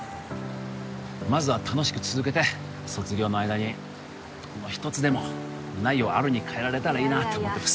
まずは楽しく続けて卒業の間に一つでも「ない」を「ある」に変えられたらいいなと思ってます